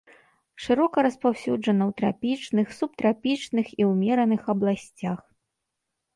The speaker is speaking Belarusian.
Шырока распаўсюджана ў трапічных, субтрапічных і ўмераных абласцях.